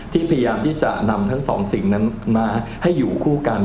พยายามที่จะนำทั้งสองสิ่งนั้นมาให้อยู่คู่กัน